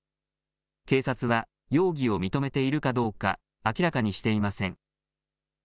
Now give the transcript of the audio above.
警察は容疑を認めているかどうか明らかにしていません。